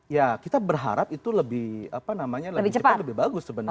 ya kita berharap itu lebih apa namanya lebih cepat lebih bagus sebenarnya